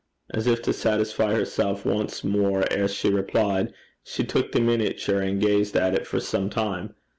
As if to satisfy herself once more ere she replied, she took the miniature, and gazed at it for some time.